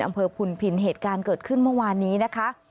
อำเภอพุนพินเหตุการณ์เกิดขึ้นเมื่อวานนี้นะคะ